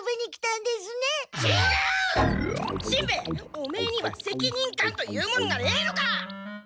オメエには責任感というもんがねえのかっ！